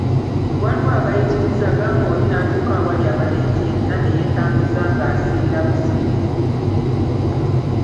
Waliwo abayitiriza, gamba oli natuuka awali abalenzi yenna ne yeetambuza ng'asiirabusiizi.